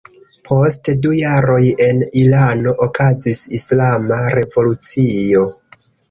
Post du jaroj en Irano okazis Islama Revolucio.